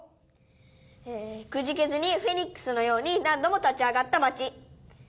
「くじけずにフェニックスのように何度も立ち上がった町」。